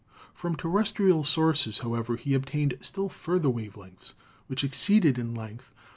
From terrestrial sources, however, he obtained still fur ther wave lengths which exceeded in length